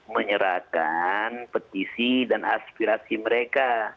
menyerahkan petisi dan aspirasi mereka